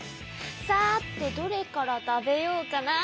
さてどれから食べようかな。